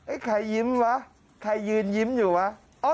ใครยิ้มวะใครยืนยิ้มอยู่วะ